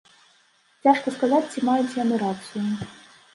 Цяжка сказаць, ці маюць яны рацыю.